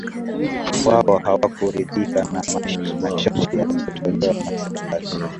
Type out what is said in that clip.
wao hawakuridhika na masharti yaliyotolewa na serikali